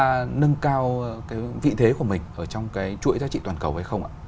có giúp chúng ta nâng cao vị thế của mình ở trong cái chuỗi giá trị toàn cầu hay không ạ